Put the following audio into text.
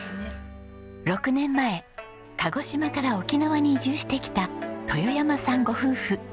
６年前鹿児島から沖縄に移住してきた豊山さんご夫婦。